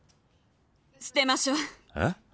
捨てましょうえっ？